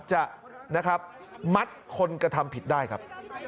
จะมัดคนกระทำผิดได้ครับ